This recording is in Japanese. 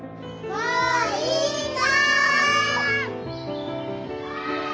・もういいよ！